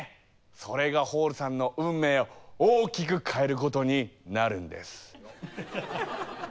それがホールさんの運命を大きく変えることになるんです。